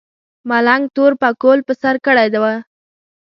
ملنګ تور پکول په سر کړی و.